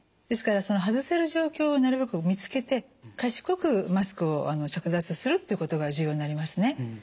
ですから外せる状況をなるべく見つけて賢くマスクを着脱するということが重要になりますね。